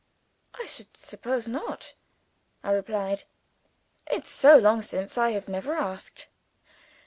"I should suppose not," I replied. "It's so long since, I have never asked."